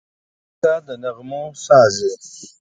• ته لکه د نغمو ساز یې.